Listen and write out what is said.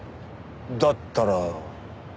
だったら。